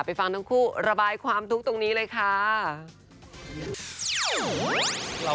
ฟังทั้งคู่ระบายความทุกข์ตรงนี้เลยค่ะ